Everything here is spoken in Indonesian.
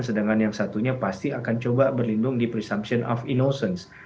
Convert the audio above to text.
sedangkan yang satunya pasti akan coba berlindung di presumption of innocence